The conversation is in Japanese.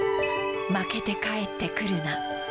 負けて帰ってくるな。